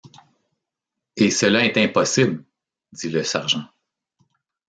Et cela est impossible ! dit le sergent.